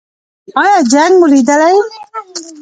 ایا جنګ مو لیدلی؟